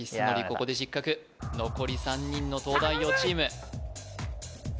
ここで失格残り３人の東大王チーム頼む！